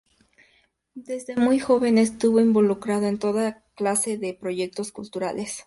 Desde muy joven estuvo involucrado en toda clase de proyectos culturales.